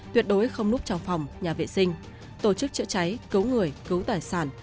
tuyệt đối không núp trong phòng nhà vệ sinh tổ chức chữa cháy cấu người cấu tài sản